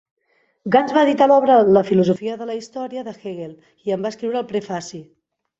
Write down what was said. Gans va editar l"obra la "Filosofia de la història" de Hegel, i en va escriure el prefaci.